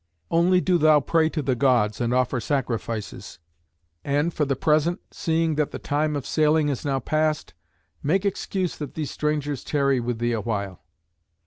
Only do thou pray to the Gods and offer sacrifices; and, for the present, seeing that the time of sailing is now past, make excuse that these strangers tarry with thee awhile."